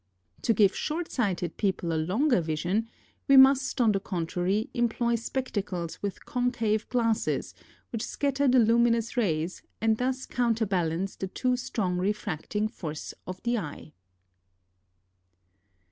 To give short sighted people a longer vision, we must, on the contrary, employ spectacles with concave glasses which scatter the luminous rays, and thus counterbalance the too strong refracting force of the eye.